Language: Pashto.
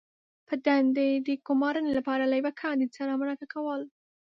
-په دندې د ګمارنې لپاره له یوه کاندید سره مرکه کول